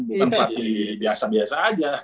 bukan berarti biasa biasa aja